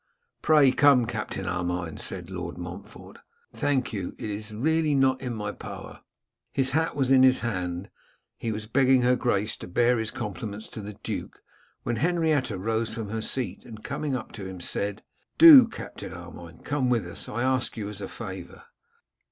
'Pray come, Captain Armine,' said Lord Montfort. 'Thank you; it is really not in my power.' His hat was in his hand; he was begging her Grace to bear his compliments to the duke, when Henrietta rose from her seat, and, coming up to him, said, 'Do, Captain Armine, come with us; I ask you as a favour.